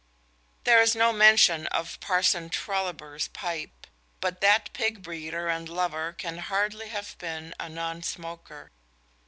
There is no mention of Parson Trulliber's pipe, but that pig breeder and lover can hardly have been a non smoker.